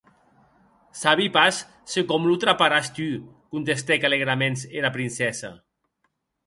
Sabi pas se com lo traparàs tu, contestèc alègraments era princessa.